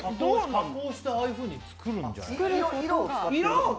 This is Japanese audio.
加工してああいうふうに作るんじゃない？